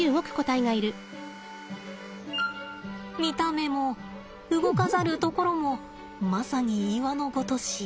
見た目も動かざるところもまさに岩のごとし。